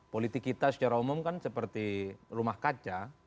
politik kita secara umum kan seperti rumah kaca